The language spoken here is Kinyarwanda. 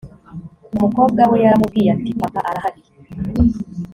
umukobwa we yaramubwiye ati papa arahari